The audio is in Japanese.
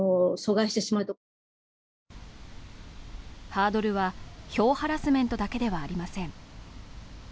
ハードルは票ハラスメントだけではありません